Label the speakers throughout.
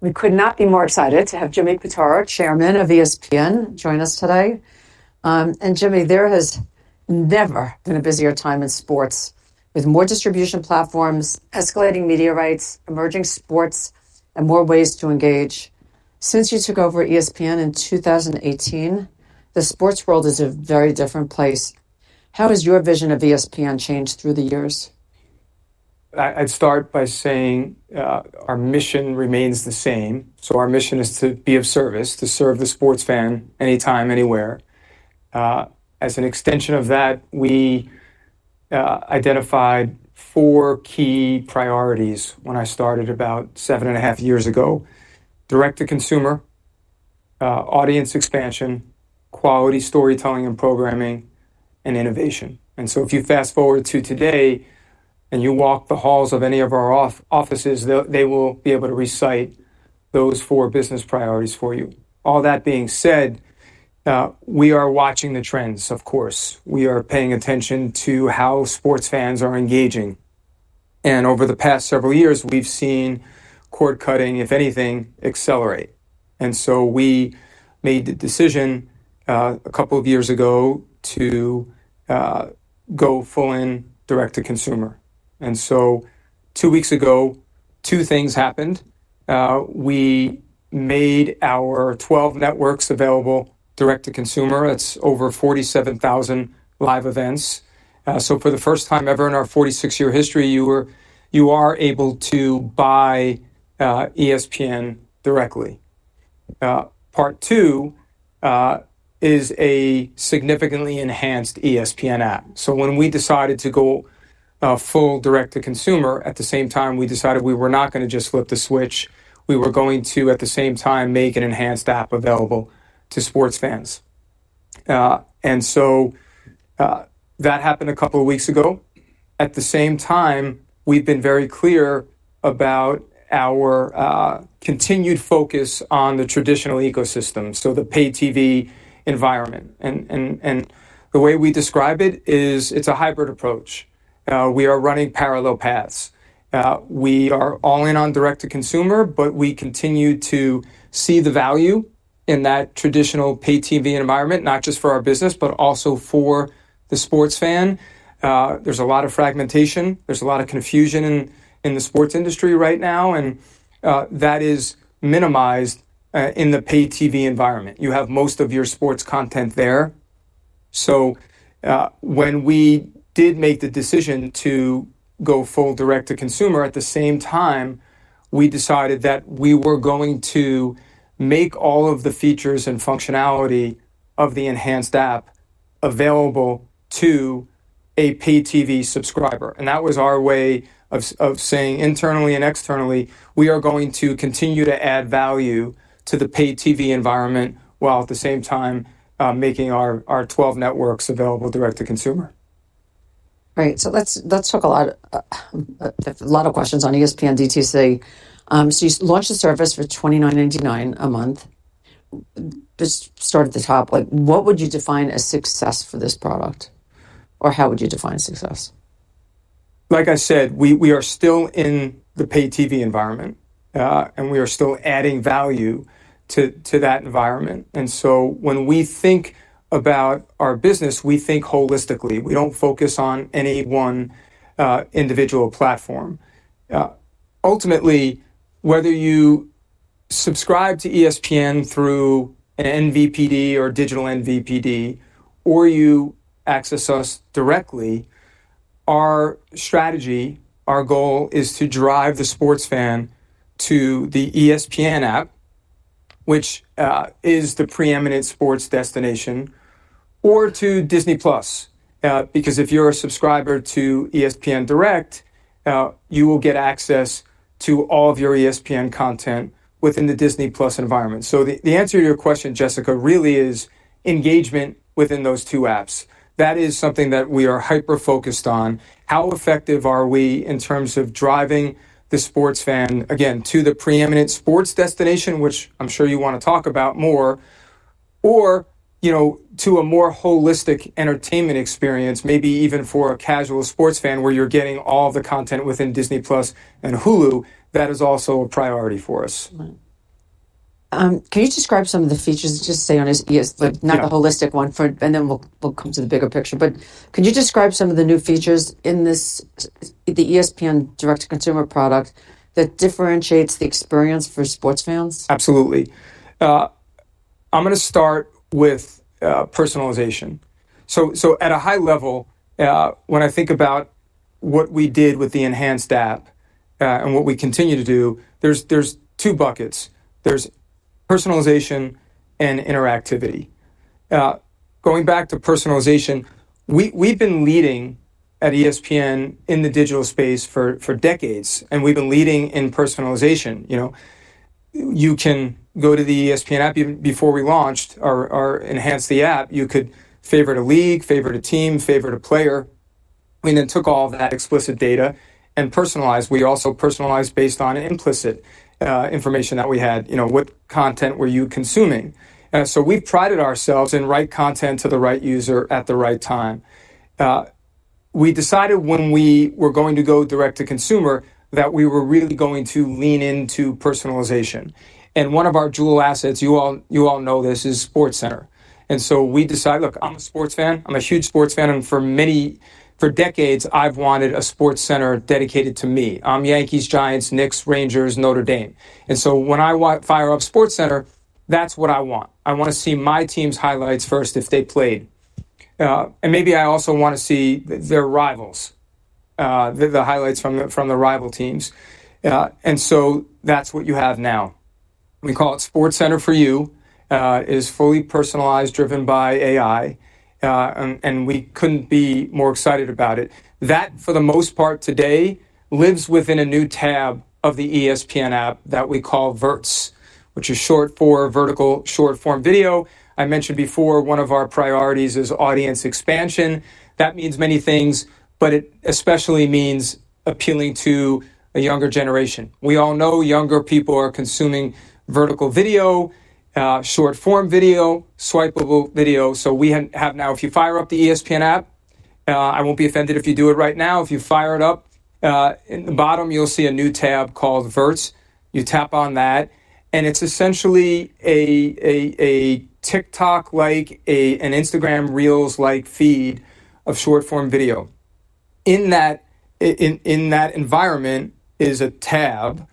Speaker 1: We could not be more excited to have Jimmy Pitaro, Chairman of ESPN, join us today. Jimmy, there has never been a busier time in sports, with more distribution platforms, escalating media rights, emerging sports, and more ways to engage. Since you took over ESPN in 2018, the sports world is a very different place. How has your vision of ESPN changed through the years?
Speaker 2: I'd start by saying our mission remains the same. Our mission is to be of service, to serve the sports fan anytime, anywhere. As an extension of that, we identified four key priorities when I started about seven and a half years ago: direct-to-consumer, audience expansion, quality storytelling and programming, and innovation. If you fast forward to today and you walk the halls of any of our offices, they will be able to recite those four business priorities for you. All that being said, we are watching the trends, of course. We are paying attention to how sports fans are engaging. Over the past several years, we've seen cord-cutting, if anything, accelerate. We made the decision a couple of years ago to go full-in, direct-to-consumer. Two weeks ago, two things happened. We made our 12 networks available direct-to-consumer. That's over 47,000 live events. For the first time ever in our 46-year history, you are able to buy ESPN directly. Part two is a significantly enhanced ESPN app. When we decided to go full, direct-to-consumer, at the same time, we decided we were not going to just flip the switch. We were going to, at the same time, make an enhanced app available to sports fans. That happened a couple of weeks ago. At the same time, we've been very clear about our continued focus on the traditional ecosystem, the pay-TV environment. The way we describe it is it's a hybrid approach. We are running parallel paths. We are all in on direct-to-consumer, but we continue to see the value in that traditional pay-TV environment, not just for our business, but also for the sports fan. There's a lot of fragmentation. There's a lot of confusion in the sports industry right now. That is minimized in the pay-TV environment. You have most of your sports content there. When we did make the decision to go full, direct-to-consumer, at the same time, we decided that we were going to make all of the features and functionality of the enhanced app available to a pay-TV subscriber. That was our way of saying internally and externally, we are going to continue to add value to the pay-TV environment while at the same time making our 12 networks available direct-to-consumer.
Speaker 1: Right. Let's talk, a lot of questions on ESPN DTC. You launched the service for $29.99 a month. Let's start at the top. What would you define as success for this product? How would you define success?
Speaker 2: Like I said, we are still in the pay-TV environment, and we are still adding value to that environment. When we think about our business, we think holistically. We don't focus on any one individual platform. Ultimately, whether you subscribe to ESPN through an NVPD or digital NVPD, or you access us directly, our strategy, our goal is to drive the sports fan to the ESPN app, which is the preeminent sports destination, or to Disney+. If you're a subscriber to ESPN direct, you will get access to all of your ESPN content within the Disney+ environment. The answer to your question, Jessica, really is engagement within those two apps. That is something that we are hyper-focused on. How effective are we in terms of driving the sports fan, again, to the preeminent sports destination, which I'm sure you want to talk about more, or to a more holistic entertainment experience, maybe even for a casual sports fan where you're getting all the content within Disney+ and Hulu? That is also a priority for us.
Speaker 1: Can you describe some of the features? Just stay on ESPN, not the holistic one, and then we'll come to the bigger picture. Can you describe some of the new features in the ESPN direct-to-consumer product that differentiates the experience for sports fans?
Speaker 2: Absolutely. I'm going to start with personalization. At a high level, when I think about what we did with the enhanced app and what we continue to do, there are two buckets: personalization and interactivity. Going back to personalization, we've been leading at ESPN in the digital space for decades, and we've been leading in personalization. You could go to the ESPN app before we launched or enhanced the app, you could favorite a league, favorite a team, favorite a player, and then took all of that explicit data and personalized. We also personalized based on implicit information that we had. What content were you consuming? We've tried it ourselves and write content to the right user at the right time. We decided when we were going to go direct-to-consumer that we were really going to lean into personalization. One of our jewel assets, you all know this, is SportsCenter. We decided, look, I'm a sports fan. I'm a huge sports fan. For decades, I've wanted a SportsCenter dedicated to me. I'm Yankees, Giants, Knicks, Rangers, Notre Dame. When I fire up SportsCenter, that's what I want. I want to see my team's highlights first if they played. Maybe I also want to see their rivals, the highlights from the rival teams. That's what you have now. We call it SportsCenter for You. It is fully personalized, driven by AI, and we couldn't be more excited about it. That, for the most part today, lives within a new tab of the ESPN app that we call Verts, which is short for vertical short form video. I mentioned before, one of our priorities is audience expansion. That means many things, but it especially means appealing to a younger generation. We all know younger people are consuming vertical video, short form video, swipeable video. Now, if you fire up the ESPN app, I won't be offended if you do it right now. If you fire it up, at the bottom, you'll see a new tab called Verts. You tap on that, and it's essentially a TikTok-like, an Instagram Reels-like feed of short form video. In that environment is a tab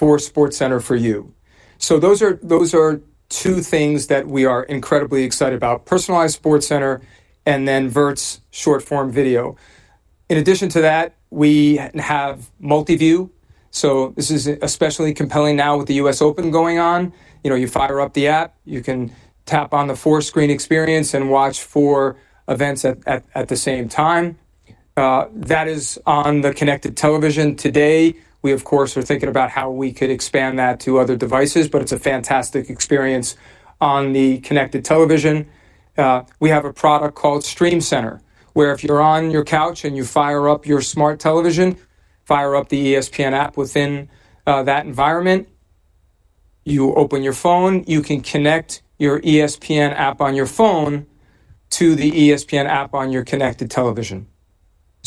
Speaker 2: for SportsCenter for You. Those are two things that we are incredibly excited about: personalized SportsCenter and then Verts short form video. In addition to that, we have Multiview. This is especially compelling now with the US Open going on. You fire up the app, you can tap on the four-screen experience and watch four events at the same time. That is on the connected television today. We, of course, are thinking about how we could expand that to other devices. It is a fantastic experience on the connected television. We have a product called StreamCenter, where if you're on your couch and you fire up your smart television, fire up the ESPN app within that environment. You open your phone. You can connect your ESPN app on your phone to the ESPN app on your connected television.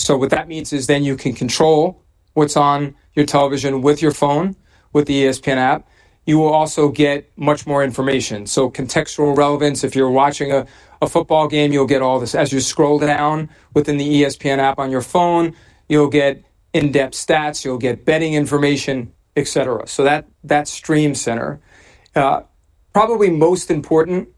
Speaker 2: What that means is then you can control what's on your television with your phone with the ESPN app. You will also get much more information. Contextual relevance, if you're watching a football game, you'll get all this. As you scroll down within the ESPN app on your phone, you'll get in-depth stats. You'll get betting information, et cetera. That is StreamCenter. Probably most important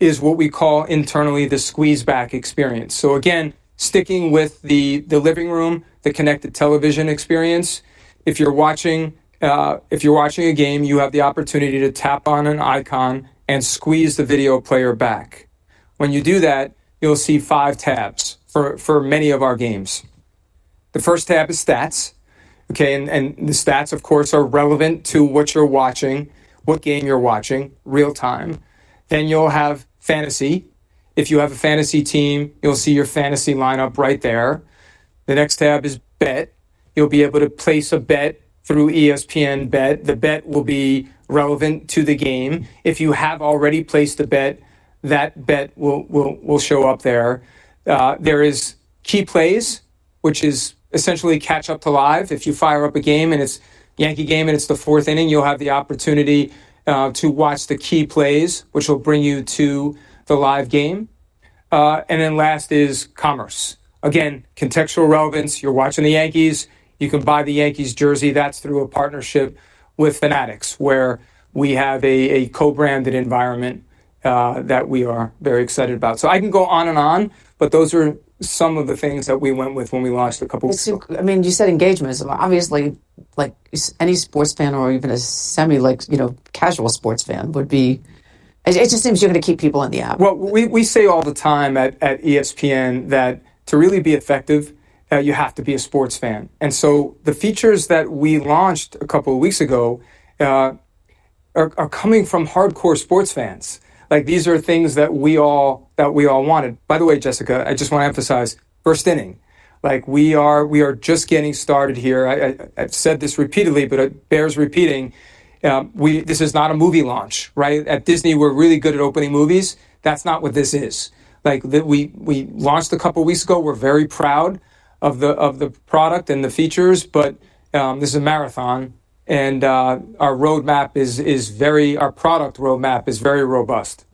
Speaker 2: is what we call internally the squeeze-back experience. Again, sticking with the living room, the connected television experience, if you're watching a game, you have the opportunity to tap on an icon and squeeze the video player back. When you do that, you'll see five tabs for many of our games. The first tab is Stats. The stats, of course, are relevant to what you're watching, what game you're watching, real time. Then you'll have Fantasy. If you have a fantasy team, you'll see your fantasy lineup right there. The next tab is BET. You'll be able to place a bet through ESPN BET. The bet will be relevant to the game. If you have already placed a bet, that bet will show up there. There is Key Plays, which is essentially catch up to live. If you fire up a game and it's a Yankee game and it's the fourth inning, you'll have the opportunity to watch the Key Plays, which will bring you to the live game. Last is Commerce. Contextual relevance, you're watching the Yankees. You can buy the Yankees jersey. That is through a partnership with Fanatics, where we have a co-branded environment that we are very excited about. I can go on and on, but those are some of the things that we went with when we launched a couple of things.
Speaker 1: I mean, you said engagement is a lot. Obviously, like any sports fan or even a semi-casual sports fan would be, it just seems you're going to keep people in the app.
Speaker 2: W e say all the time at ESPN that to really be effective, you have to be a sports fan. The features that we launched a couple of weeks ago are coming from hardcore sports fans. These are things that we all wanted. By the way, Jessica, I just want to emphasize, first inning. We are just getting started here. I've said this repeatedly, but it bears repeating. This is not a movie launch. At Disney, we're really good at opening movies. That's not what this is. We launched a couple of weeks ago. We're very proud of the product and the features. This is a marathon, and our product roadmap is very robust.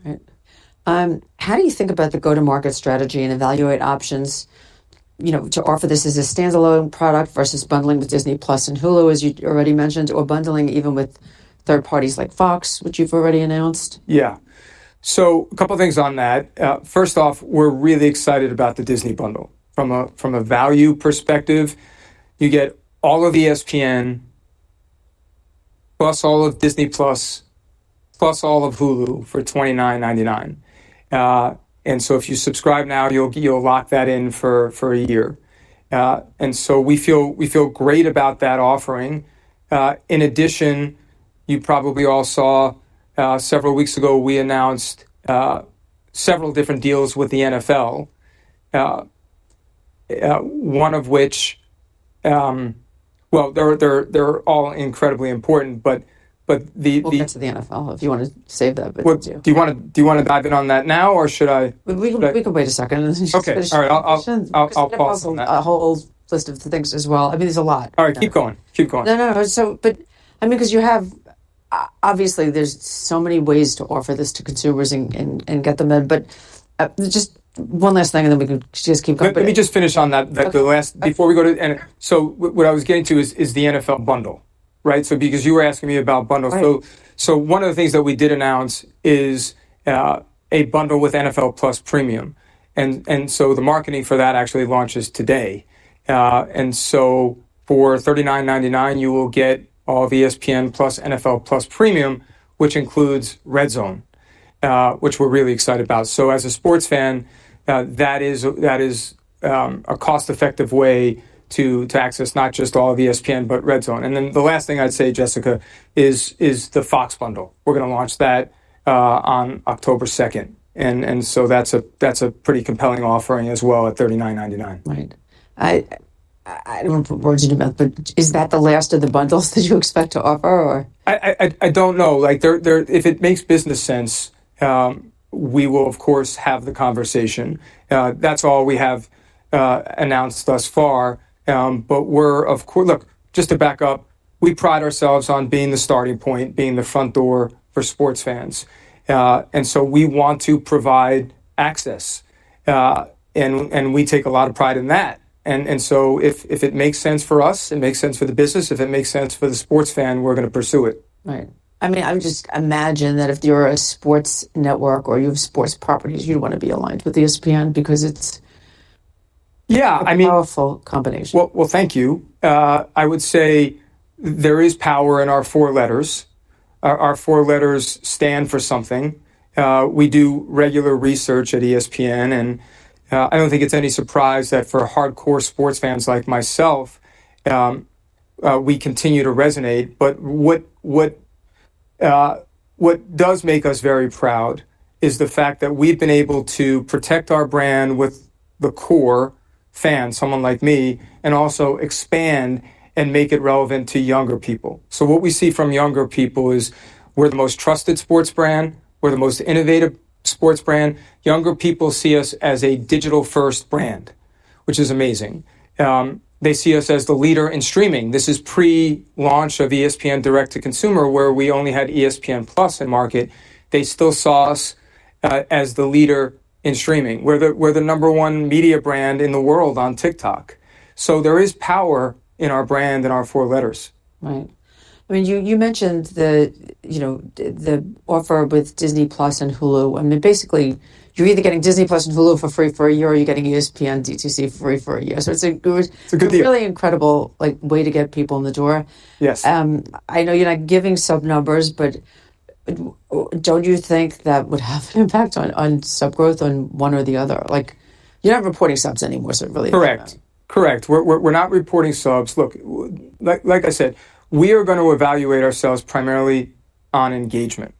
Speaker 1: How do you think about the go-to-market strategy and evaluate options to offer this as a standalone product versus bundling with Disney+ and Hulu, as you already mentioned, or bundling even with third parties like Fox, which you've already announced?
Speaker 2: Yeah. A couple of things on that. First off, we're really excited about the Disney bundle. From a value perspective, you get all of ESPN, plus all of Disney+, plus all of Hulu for $29.99. If you subscribe now, you'll lock that in for a year. We feel great about that offering. In addition, you probably all saw several weeks ago, we announced several different deals with the NFL, one of which, well, they're all incredibly important.
Speaker 1: We'll get to the NFL if you want to save that.
Speaker 2: Do you want to dive in on that now, or should I?
Speaker 1: We could wait a second.
Speaker 2: Okay. All right. I'll pause on that.
Speaker 1: I have a whole list of things as well. I mean, there's a lot.
Speaker 2: All right. Keep going. Keep going.
Speaker 1: No, no. I mean, you have, obviously, there's so many ways to offer this to consumers and get them in. Just one last thing, and then we can keep going.
Speaker 2: Let me just finish on that before we go to the end. What I was getting to is the NFL bundle, right? You were asking me about bundles. One of the things that we did announce is a bundle with NFL+ Premium. The marketing for that actually launches today. For $39.99, you will get all of ESPN plus NFL+ Premium, which includes RedZone, which we're really excited about. As a sports fan, that is a cost-effective way to access not just all of ESPN, but RedZone. The last thing I'd say, Jessica, is the Fox bundle. We're going to launch that on October 2nd. That's a pretty compelling offering as well at $39.99.
Speaker 1: Right. I don't want to put words in your mouth, but is that the last of the bundles that you expect to offer, or?
Speaker 2: I don't know. If it makes business sense, we will, of course, have the conversation. That's all we have announced thus far. Just to back up, we pride ourselves on being the starting point, being the front door for sports fans, and we want to provide access. We take a lot of pride in that. If it makes sense for us, it makes sense for the business. If it makes sense for the sports fan, we're going to pursue it.
Speaker 1: Right. I mean, I would just imagine that if you're a sports network or you have sports properties, you'd want to be aligned with ESPN because it's.
Speaker 2: Yeah.
Speaker 1: A powerful combination.
Speaker 2: Thank you. I would say there is power in our four letters. Our four letters stand for something. We do regular research at ESPN. I don't think it's any surprise that for hardcore sports fans like myself, we continue to resonate. What does make us very proud is the fact that we've been able to protect our brand with the core fan, someone like me, and also expand and make it relevant to younger people. What we see from younger people is we're the most trusted sports brand. We're the most innovative sports brand. Younger people see us as a digital-first brand, which is amazing. They see us as the leader in streaming. This is pre-launch of ESPN direct-to-consumer, where we only had ESPN+ in market. They still saw us as the leader in streaming. We're the number one media brand in the world on TikTok. There is power in our brand and our four letters.
Speaker 1: Right. I mean, you mentioned the offer with Disney+ and Hulu. Basically, you're either getting Disney+ and Hulu for free for a year, or you're getting ESPN DTC free for a year.
Speaker 2: That's a good deal.
Speaker 1: It's a really incredible way to get people in the door.
Speaker 2: Yes.
Speaker 1: I know you're not giving sub numbers, but don't you think that would have an impact on sub growth on one or the other? You're not reporting subs anymore, so it really depends.
Speaker 2: Correct. Correct. We're not reporting subs. Like I said, we are going to evaluate ourselves primarily on engagement.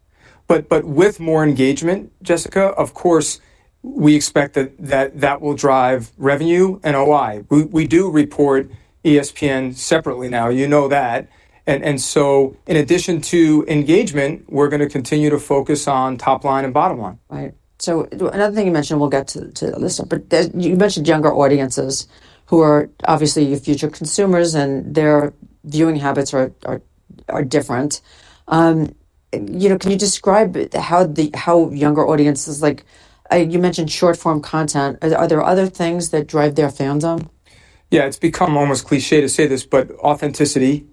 Speaker 2: With more engagement, Jessica, of course, we expect that will drive revenue and OI. We do report ESPN separately now. You know that. In addition to engagement, we're going to continue to focus on top line and bottom line.
Speaker 1: Right. Another thing you mentioned, we'll get to this, but you mentioned younger audiences who are obviously future consumers, and their viewing habits are different. Can you describe how younger audiences, like you mentioned short-form content, are there other things that drive their fans on?
Speaker 2: Yeah. It's become almost cliché to say this, but authenticity.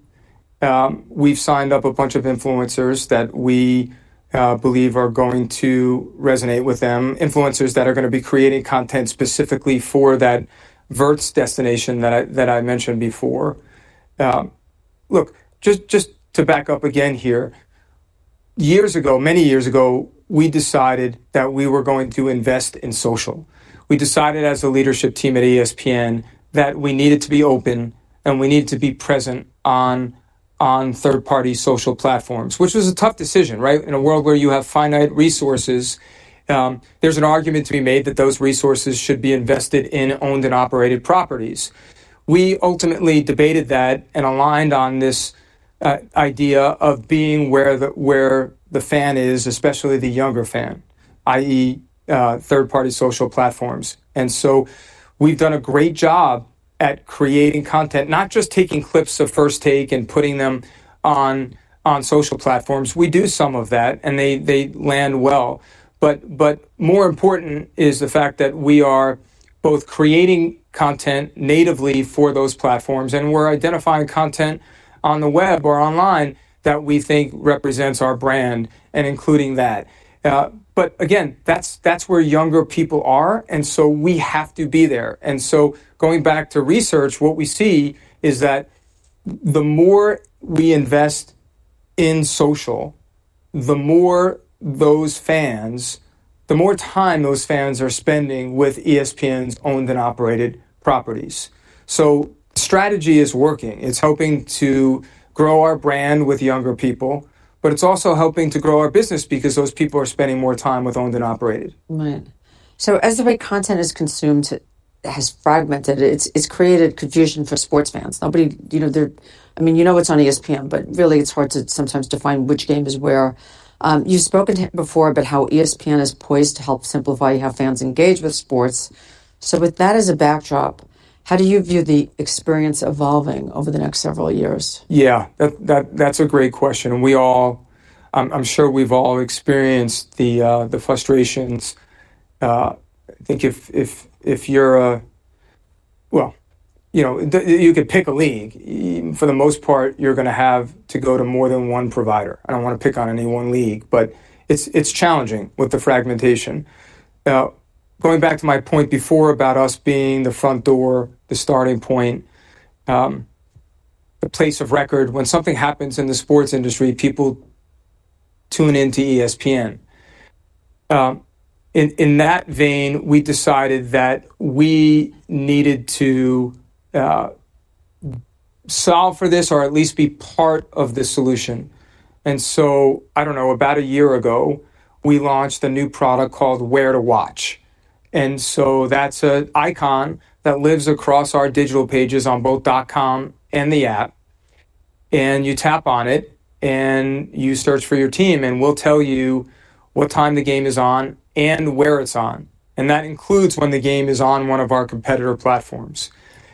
Speaker 2: We've signed up a bunch of influencers that we believe are going to resonate with them, influencers that are going to be creating content specifically for that Verts destination that I mentioned before. Look, just to back up again here, years ago, many years ago, we decided that we were going to invest in social. We decided as a leadership team at ESPN that we needed to be open, and we needed to be present on third-party social platforms, which was a tough decision, right? In a world where you have finite resources, there's an argument to be made that those resources should be invested in owned and operated properties. We ultimately debated that and aligned on this idea of being where the fan is, especially the younger fan, i.e., third-party social platforms. We've done a great job at creating content, not just taking clips of First Take and putting them on social platforms. We do some of that, and they land well. More important is the fact that we are both creating content natively for those platforms, and we're identifying content on the web or online that we think represents our brand and including that. Again, that's where younger people are. We have to be there. Going back to research, what we see is that the more we invest in social, the more those fans, the more time those fans are spending with ESPN's owned and operated properties. Strategy is working. It's helping to grow our brand with younger people. It's also helping to grow our business because those people are spending more time with owned and operated.
Speaker 1: Right. As the way content is consumed has fragmented, it's created confusion for sports fans. I mean, you know it's on ESPN, but really, it's hard to sometimes define which game is where. You've spoken before about how ESPN is poised to help simplify how fans engage with sports. With that as a backdrop, how do you view the experience evolving over the next several years?
Speaker 2: Yeah. That's a great question. I'm sure we've all experienced the frustrations. I think if you're a, well, you could pick a league. For the most part, you're going to have to go to more than one provider. I don't want to pick on any one league, but it's challenging with the fragmentation. Going back to my point before about us being the front door, the starting point, the place of record, when something happens in the sports industry, people tune into ESPN. In that vein, we decided that we needed to solve for this, or at least be part of the solution. About a year ago, we launched a new product called Where to Watch. That's an icon that lives across our digital pages on both dot com and the app. You tap on it, and you search for your team, and we'll tell you what time the game is on and where it's on. That includes when the game is on one of our competitor platforms.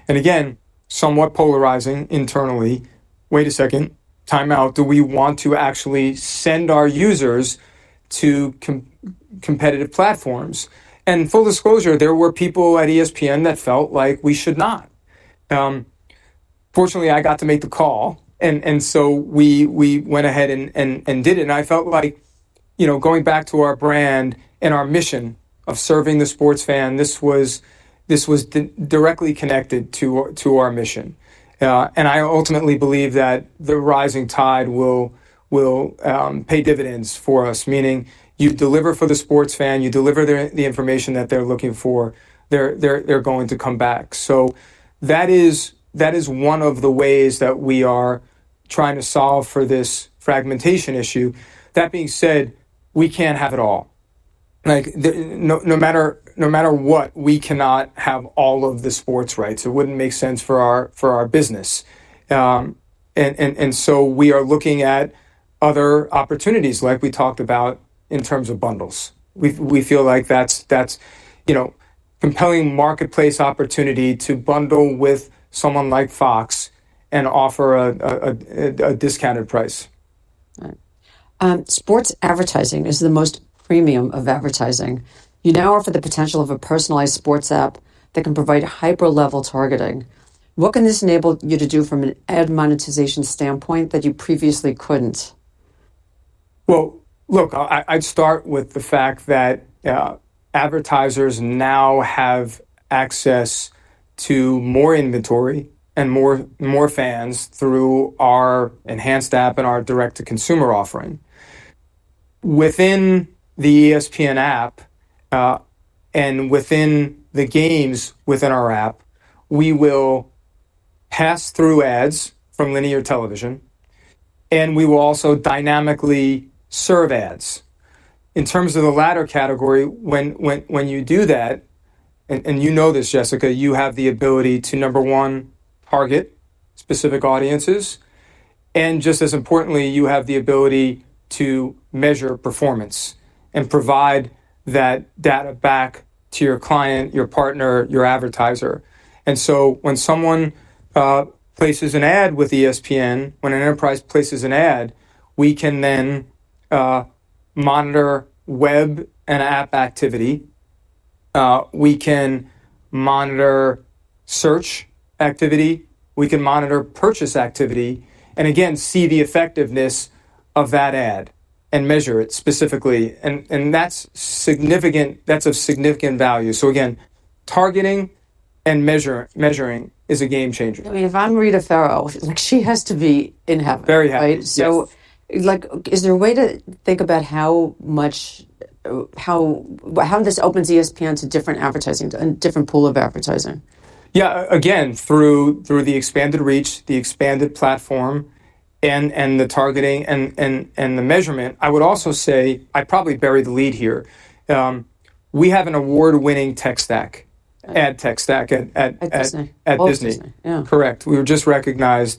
Speaker 2: Again, somewhat polarizing internally, wait a second, time out. Do we want to actually send our users to competitive platforms? Full disclosure, there were people at ESPN that felt like we should not. Fortunately, I got to make the call. We went ahead and did it. I felt like going back to our brand and our mission of serving the sports fan, this was directly connected to our mission. I ultimately believe that the rising tide will pay dividends for us, meaning you deliver for the sports fan, you deliver the information that they're looking for, they're going to come back. That is one of the ways that we are trying to solve for this fragmentation issue. That being said, we can't have it all. No matter what, we cannot have all of the sports rights. It wouldn't make sense for our business. We are looking at other opportunities, like we talked about, in terms of bundles. We feel like that's a compelling marketplace opportunity to bundle with someone like Fox and offer a discounted price.
Speaker 1: Sports advertising is the most premium of advertising. You now offer the potential of a personalized sports app that can provide hyper-level targeting. What can this enable you to do from an ad monetization standpoint that you previously couldn't?
Speaker 2: I’d start with the fact that advertisers now have access to more inventory and more fans through our enhanced app and our direct-to-consumer offering. Within the ESPN app and within the games within our app, we will pass through ads from linear television, and we will also dynamically serve ads. In terms of the latter category, when you do that, and you know this, Jessica, you have the ability to, number one, target specific audiences. Just as importantly, you have the ability to measure performance and provide that data back to your client, your partner, your advertiser. When someone places an ad with ESPN, when an enterprise places an ad, we can then monitor web and app activity. We can monitor search activity. We can monitor purchase activity and, again, see the effectiveness of that ad and measure it specifically. That’s of significant value. Targeting and measuring is a game changer.
Speaker 1: I mean, if I'm Rita Ferro, she has to be in heaven.
Speaker 2: Very happy.
Speaker 1: Is there a way to think about how much, how this opens ESPN to different advertising and a different pool of advertising?
Speaker 2: Yeah. Again, through the expanded reach, the expanded platform, and the targeting and the measurement, I would also say I’d probably bury the lead here. We have an award-winning ad tech stack a t Disney. Correct. We were just recognized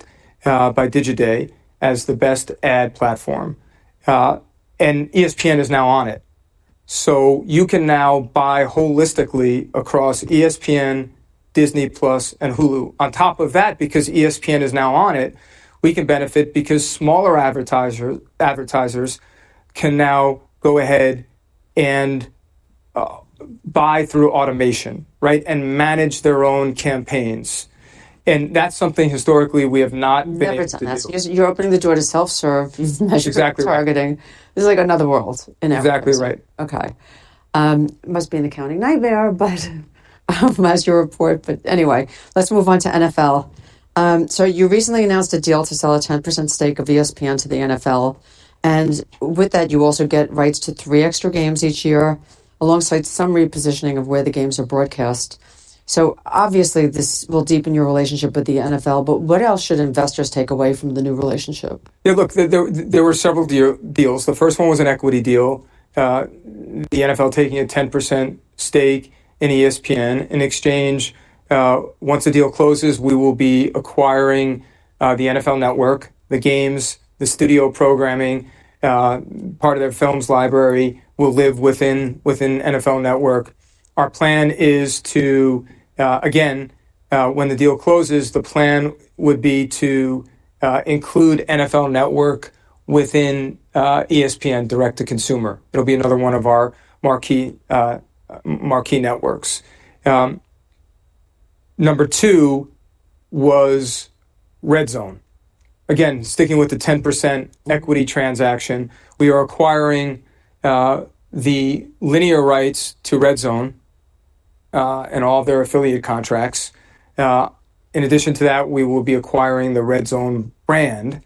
Speaker 2: by Digiday as the best ad platform. ESPN is now on it. You can now buy holistically across ESPN, Disney+, and Hulu. On top of that, because ESPN is now on it, we can benefit because smaller advertisers can now go ahead and buy through automation and manage their own campaigns. That is something historically we have not [been].
Speaker 1: You're opening the door to self-serve.
Speaker 2: Exactly.
Speaker 1: You've measured the targeting. This is like another world in ESPN.
Speaker 2: Exactly right.
Speaker 1: Okay. Must be an accounting nightmare, but I'll [have to watch] your report. Anyway, let's move on to the NFL. You recently announced a deal to sell a 10% stake of ESPN to the NFL. With that, you also get rights to three extra games each year, alongside some repositioning of where the games are broadcast. Obviously, this will deepen your relationship with the NFL. What else should investors take away from the new relationship?
Speaker 2: Yeah, look, there were several deals. The first one was an equity deal, the NFL taking a 10% stake in ESPN. In exchange, once the deal closes, we will be acquiring the NFL Network, the games, the studio programming. Part of the film's library will live within NFL Network. Our plan is to, again, when the deal closes, the plan would be to include NFL Network within ESPN direct-to-consumer. It'll be another one of our marquee networks. Number two was RedZone. Again, sticking with the 10% equity transaction, we are acquiring the linear rights to RedZone and all of their affiliate contracts. In addition to that, we will be acquiring the RedZone brand.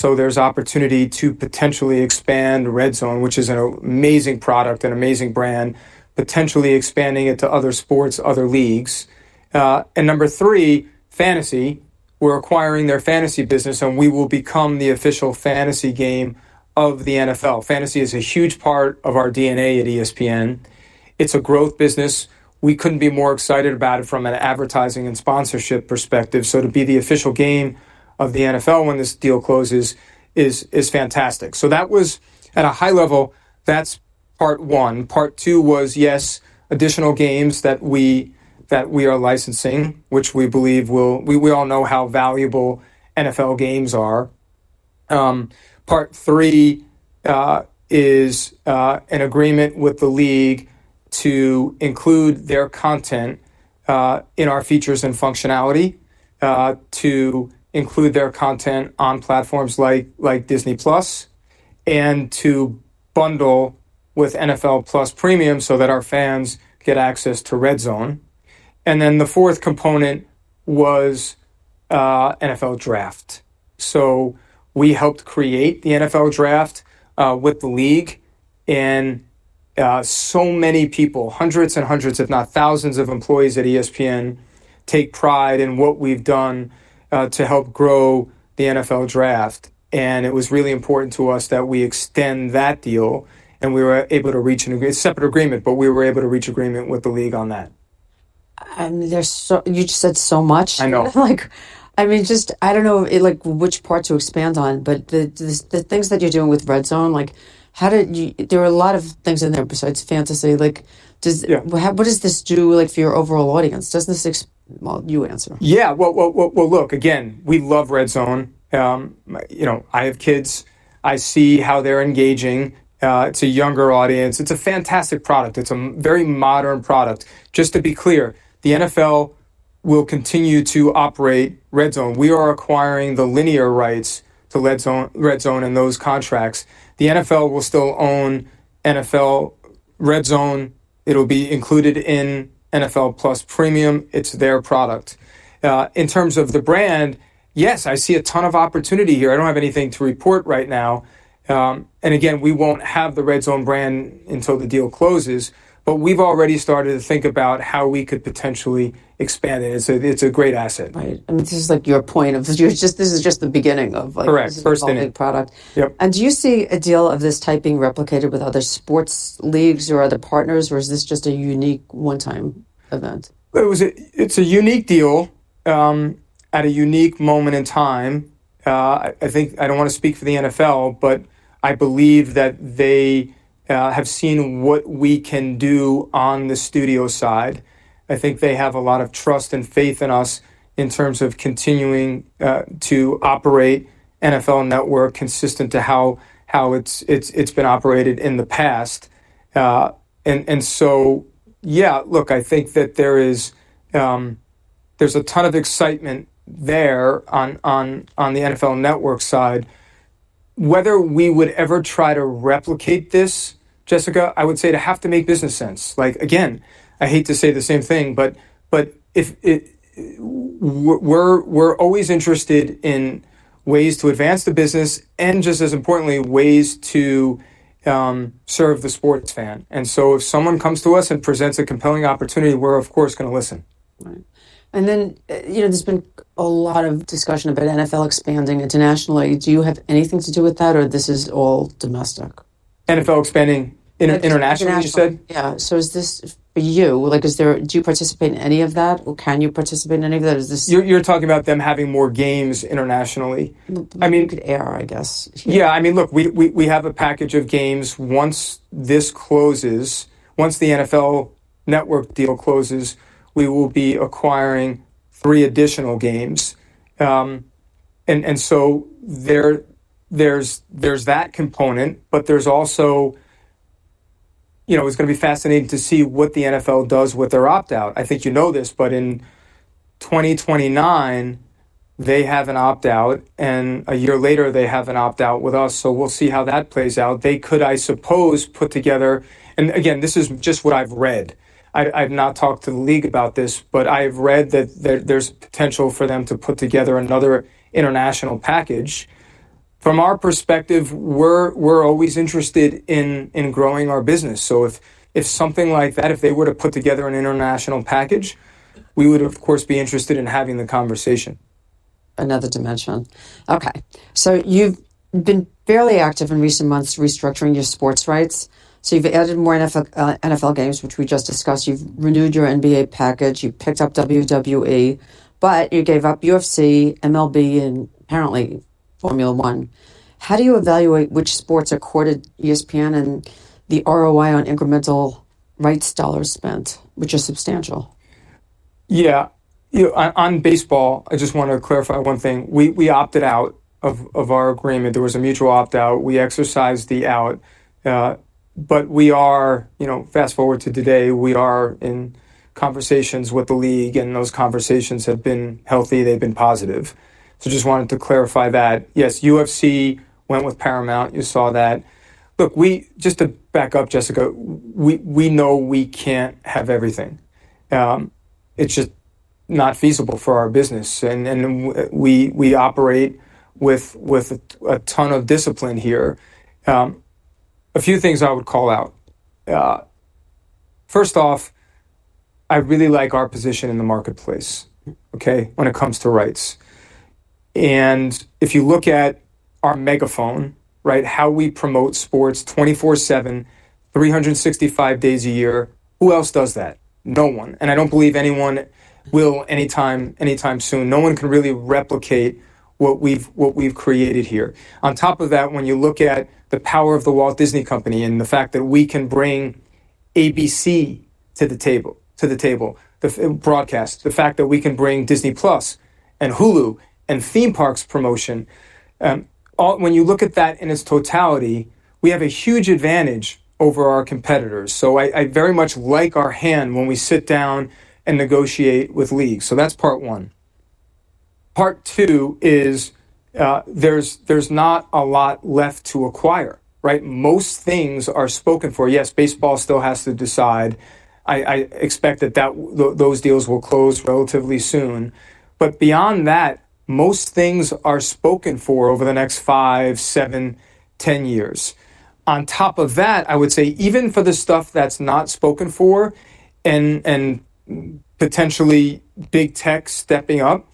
Speaker 2: There's opportunity to potentially expand RedZone, which is an amazing product, an amazing brand, potentially expanding it to other sports, other leagues. Number three, Fantasy. We're acquiring their Fantasy business, and we will become the official Fantasy game of the NFL. Fantasy is a huge part of our DNA at ESPN. It's a growth business. We couldn't be more excited about it from an advertising and sponsorship perspective. To be the official game of the NFL when this deal closes is fantastic. That was at a high level, that's part one. Part two was, yes, additional games that we are licensing, which we believe will, we all know how valuable NFL games are. Part three is an agreement with the league to include their content in our features and functionality, to include their content on platforms like Disney+, and to bundle with NFL+ Premium so that our fans get access to RedZone. The fourth component was NFL Draft. We helped create the NFL Draft with the league. So many people, hundreds and hundreds, if not thousands of employees at ESPN, take pride in what we've done to help grow the NFL Draft. It was really important to us that we extend that deal. We were able to reach an agreement, a separate agreement, but we were able to reach an agreement with the league on that.
Speaker 1: I mean, you just said so much.
Speaker 2: I know.
Speaker 1: I mean, I don't know which part to expand on. The things that you're doing with RedZone, there are a lot of things in there besides Fantasy. What does this do for your overall audience? Doesn't this? You answer.
Speaker 2: Yeah. Look, again, we love RedZone. I have kids. I see how they're engaging. It's a younger audience. It's a fantastic product. It's a very modern product. Just to be clear, the NFL will continue to operate RedZone. We are acquiring the linear rights to RedZone and those contracts. The NFL will still own NFL RedZone. It'll be included in NFL+ Premium. It's their product. In terms of the brand, yes, I see a ton of opportunity here. I don't have anything to report right now. We won't have the RedZone brand until the deal closes. We've already started to think about how we could potentially expand it. It's a great asset.
Speaker 1: Right. This is like your point of, this is just the beginning of owning.
Speaker 2: Correct. First thing.
Speaker 1: The product. Do you see a deal of this type being replicated with other sports leagues or other partners, or is this just a unique one-time event?
Speaker 2: It's a unique deal at a unique moment in time. I think I don't want to speak for the NFL, but I believe that they have seen what we can do on the studio side. I think they have a lot of trust and faith in us in terms of continuing to operate NFL Network consistent to how it's been operated in the past. Yeah, look, I think that there's a ton of excitement there on the NFL Network side. Whether we would ever try to replicate this, Jessica, I would say it'd have to make business sense. Again, I hate to say the same thing, but we're always interested in ways to advance the business and just as importantly, ways to serve the sports fan. If someone comes to us and presents a compelling opportunity, we're, of course, going to listen.
Speaker 1: Right. There has been a lot of discussion about NFL expanding internationally. Do you have anything to do with that, or is this all domestic?
Speaker 2: NFL expanding internationally, you said?
Speaker 1: Yeah. Is this for you? Do you participate in any of that, or can you participate in any of that?
Speaker 2: You're talking about them having more games internationally.
Speaker 1: [You could say] I guess.
Speaker 2: Yeah. I mean, look, we have a package of games. Once this closes, once the NFL Network deal closes, we will be acquiring three additional games. There's that component. It's going to be fascinating to see what the NFL does with their opt-out. I think you know this, but in 2029, they have an opt-out. A year later, they have an opt-out with us. We'll see how that plays out. They could, I suppose, put together, and again, this is just what I've read. I've not talked to the league about this, but I have read that there's potential for them to put together another international package. From our perspective, we're always interested in growing our business. If something like that, if they were to put together an international package, we would, of course, be interested in having the conversation.
Speaker 1: Another dimension. Okay. You've been fairly active in recent months restructuring your sports rights. You've added more NFL games, which we just discussed. You've renewed your NBA package. You picked up WWE. You gave up UFC, MLB, and apparently Formula One. How do you evaluate which sports accorded ESPN and the ROI on incremental rights dollars spent, which are substantial?
Speaker 2: Yeah. On baseball, I just want to clarify one thing. We opted out of our agreement. There was a mutual opt-out. We exercised the out. We are, fast forward to today, in conversations with the league. Those conversations have been healthy. They've been positive. I just wanted to clarify that. Yes, UFC went with Paramount. You saw that. Look, just to back up, Jessica, we know we can't have everything. It's just not feasible for our business. We operate with a ton of discipline here. A few things I would call out. First off, I really like our position in the marketplace when it comes to rights. If you look at our megaphone, how we promote sports 24/7, 365 days a year, who else does that? No one. I don't believe anyone will anytime soon. No one can really replicate what we've created here. On top of that, when you look at the power of The Walt Disney Company and the fact that we can bring ABC to the table, the broadcast, the fact that we can bring Disney+ and Hulu and theme parks promotion, when you look at that in its totality, we have a huge advantage over our competitors. I very much like our hand when we sit down and negotiate with leagues. That's part one. Part two is there's not a lot left to acquire. Most things are spoken for. Yes, baseball still has to decide. I expect that those deals will close relatively soon. Beyond that, most things are spoken for over the next five, seven, 10 years. On top of that, I would say even for the stuff that's not spoken for and potentially big tech stepping up,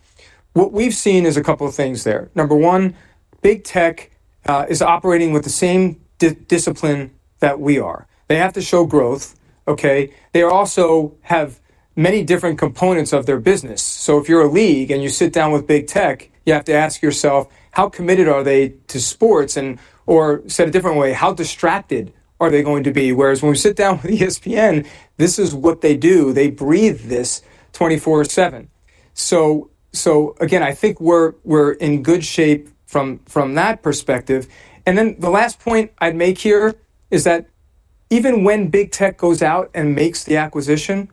Speaker 2: what we've seen is a couple of things there. Number one, big tech is operating with the same discipline that we are. They have to show growth. They also have many different components of their business. If you're a league and you sit down with big tech, you have to ask yourself, how committed are they to sports? Or said a different way, how distracted are they going to be? Whereas when we sit down with ESPN, this is what they do. They breathe this 24/7. I think we're in good shape from that perspective. The last point I'd make here is that even when big tech goes out and makes the acquisition,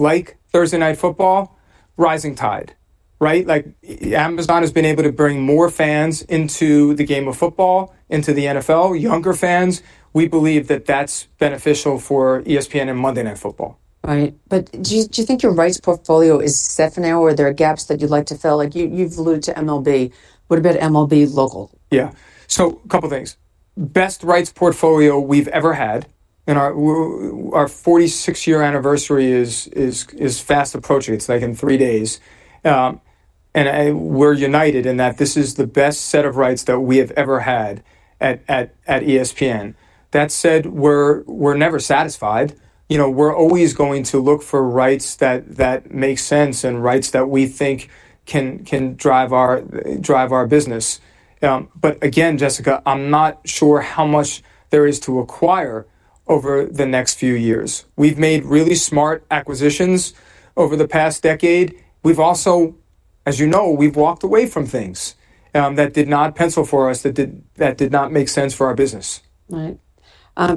Speaker 2: like Thursday Night Football, rising tide. Amazon has been able to bring more fans into the game of football, into the NFL, younger fans. We believe that that's beneficial for ESPN and Monday Night Football.
Speaker 1: Right. Do you think your rights portfolio is set for now, or are there gaps that you'd like to fill? You've alluded to MLB. What about MLB local?
Speaker 2: Yeah. A couple of things. Best rights portfolio we've ever had. Our 46-year anniversary is fast approaching. It's in three days. We're united in that this is the best set of rights that we have ever had at ESPN. That said, we're never satisfied. We're always going to look for rights that make sense and rights that we think can drive our business. Again, Jessica, I'm not sure how much there is to acquire over the next few years. We've made really smart acquisitions over the past decade. We've also, as you know, walked away from things that did not pencil for us, that did not make sense for our business.
Speaker 1: Right.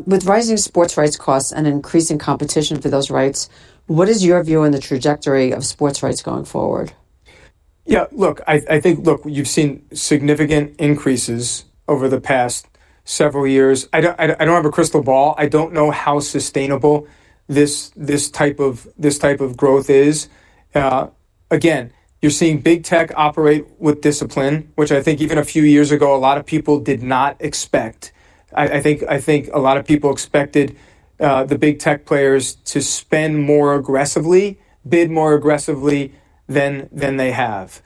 Speaker 1: With rising sports rights costs and increasing competition for those rights, what is your view on the trajectory of sports rights going forward?
Speaker 2: Yeah. Look, I think you've seen significant increases over the past several years. I don't have a crystal ball. I don't know how sustainable this type of growth is. Again, you're seeing big tech operate with discipline, which I think even a few years ago, a lot of people did not expect. I think a lot of people expected the big tech players to spend more aggressively, bid more aggressively than they have.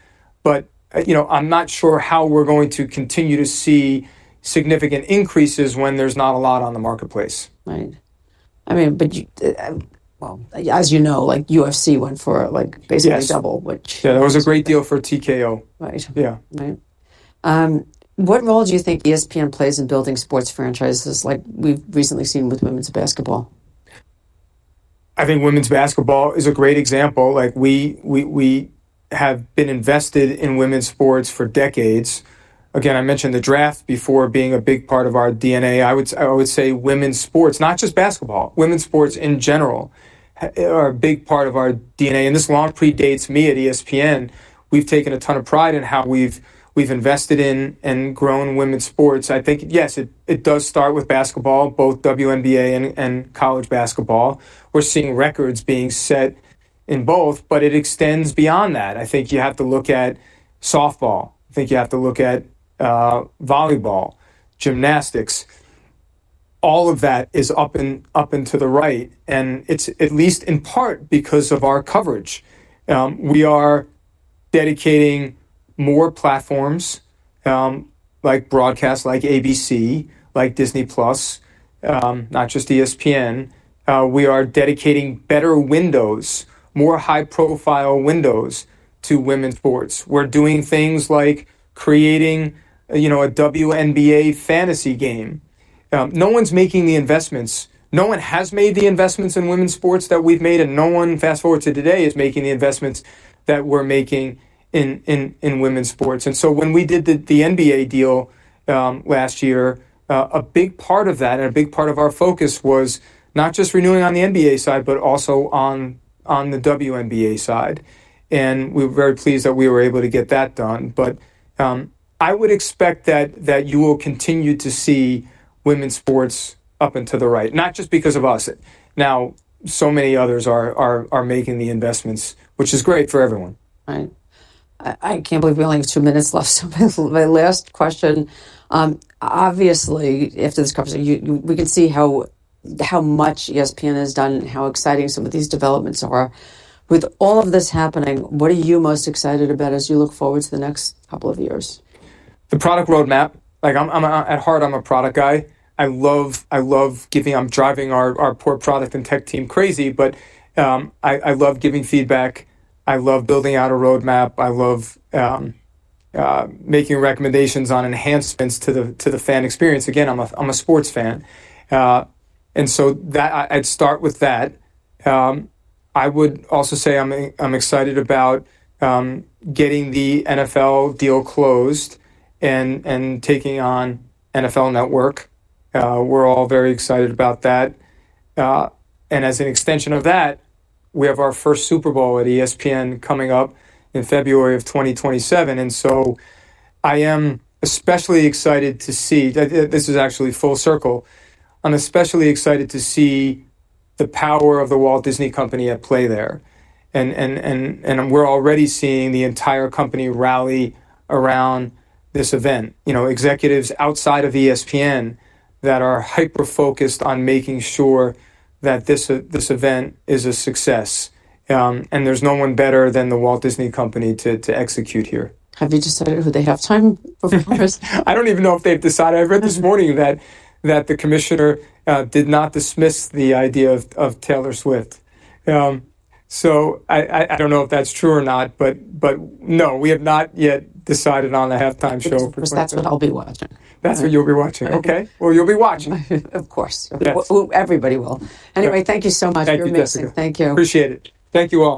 Speaker 2: I'm not sure how we're going to continue to see significant increases when there's not a lot on the marketplace.
Speaker 1: Right. I mean, as you know, UFC went for basically double, which.
Speaker 2: Yeah, that was a great deal for TKO.
Speaker 1: Right.
Speaker 2: Yeah.
Speaker 1: Right. What role do you think ESPN plays in building sports franchises, like we've recently seen with women's basketball?
Speaker 2: I think women's basketball is a great example. We have been invested in women's sports for decades. I mentioned the draft before being a big part of our DNA. I would say women's sports, not just basketball, women's sports in general, are a big part of our DNA. This long predates me at ESPN. We've taken a ton of pride in how we've invested in and grown women's sports. I think, yes, it does start with basketball, both WNBA and college basketball. We're seeing records being set in both. It extends beyond that. I think you have to look at softball. I think you have to look at volleyball, gymnastics. All of that is up and to the right, and it's at least in part because of our coverage. We are dedicating more platforms, like broadcasts, like ABC, like Disney+, not just ESPN. We are dedicating better windows, more high-profile windows to women's sports. We're doing things like creating a WNBA fantasy game. No one's making the investments. No one has made the investments in women's sports that we've made. No one, fast forward to today, is making the investments that we're making in women's sports. When we did the NBA deal last year, a big part of that and a big part of our focus was not just renewing on the NBA side, but also on the WNBA side. We were very pleased that we were able to get that done. I would expect that you will continue to see women's sports up and to the right, not just because of us. Now, so many others are making the investments, which is great for everyone.
Speaker 1: Right. I can't believe we only have two minutes left. My last question, obviously, after this conversation, we can see how much ESPN has done and how exciting some of these developments are. With all of this happening, what are you most excited about as you look forward to the next couple of years?
Speaker 2: The product roadmap. I'm at heart, I'm a product guy. I love giving, I'm driving our poor product and tech team crazy, but I love giving feedback. I love building out a roadmap. I love making recommendations on enhancements to the fan experience. Again, I'm a sports fan, and so I'd start with that. I would also say I'm excited about getting the NFL deal closed and taking on NFL Network. We're all very excited about that. As an extension of that, we have our first Super Bowl at ESPN coming up in February of 2027, and so I am especially excited to see, this is actually full circle, I'm especially excited to see the power of The Walt Disney Company at play there. We're already seeing the entire company rally around this event, executives outside of ESPN that are hyper-focused on making sure that this event is a success. There's no one better than The Walt Disney Company to execute here.
Speaker 1: Have you decided who [they have time]?
Speaker 2: Of course. I don't even know if they've decided. I read this morning that the commissioner did not dismiss the idea of Taylor Swift. I don't know if that's true or not. No, we have not yet decided on a halftime show.
Speaker 1: Because that's what I'll be watching.
Speaker 2: That's what you'll be watching. Okay, you'll be watching.
Speaker 1: Of course. Everybody will. Anyway, thank you so much.
Speaker 2: Thank you, Jessica. Appreciate it. Thank you all.